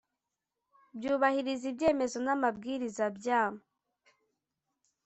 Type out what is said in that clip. byubahiriza ibyemezo n amabwiriza bya